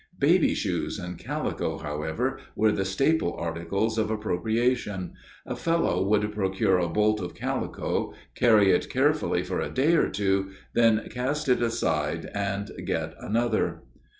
Baby shoes and calico, however, were the staple articles of appropriation. A fellow would procure a bolt of calico, carry it carefully for a day or two, then cast it aside and get another.